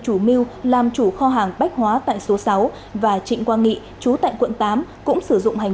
chủ mưu làm chủ kho hàng bách hóa tại số sáu và trịnh quang nghị chú tại quận tám cũng sử dụng hành